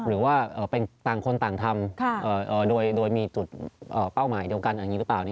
หรือว่าต่างคนต่างทำโดยมีจุดเป้าหมายเดียวกันอย่างนี้หรือเปล่า